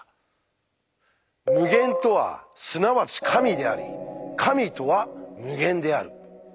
無限とはすなわち「神」であり神とは無限である。